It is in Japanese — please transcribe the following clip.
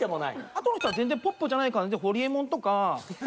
あとの人は全然ポップじゃない感じでホリエモンとか。